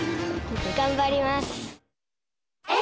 頑張ります。